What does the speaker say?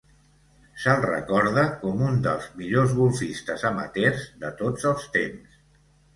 Se'l recorda com un dels millors golfistes amateurs de tots els temps.